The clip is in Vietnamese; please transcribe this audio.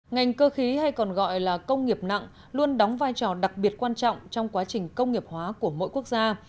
ngành cơ khí hay còn gọi là công nghiệp nặng luôn đóng vai trò đặc biệt quan trọng trong quá trình công nghiệp hóa của mỗi quốc gia